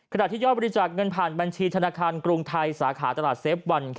ที่ยอดบริจาคเงินผ่านบัญชีธนาคารกรุงไทยสาขาตลาดเซฟวัน